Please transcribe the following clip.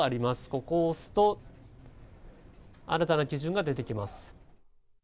ここを押すと新たな基準が出てきます。